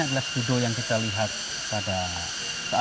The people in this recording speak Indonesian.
ini adalah sedudo yang kita lihat pada saat ini